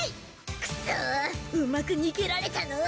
くっそうまく逃げられたのう。